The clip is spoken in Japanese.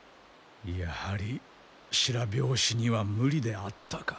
やはり白拍子には無理であったか。